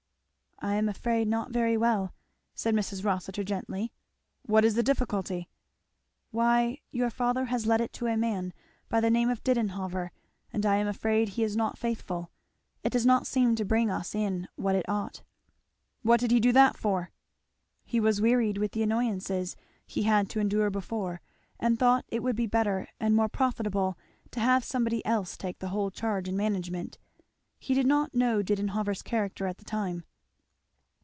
"I am afraid not very well," said Mrs. Rossitur, gently. "What is the difficulty?" "Why, your father has let it to a man by the name of Didenhover, and I am afraid he is not faithful; it does not seem to bring us in what it ought." "What did he do that for?" "He was wearied with the annoyances he had to endure before, and thought it would be better and more profitable to have somebody else take the whole charge and management. He did not know Didenhover's character at the time."